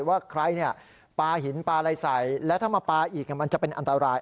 ว่าใครปลาหินปลาอะไรใส่และถ้ามาปลาอีกมันจะเป็นอันตราย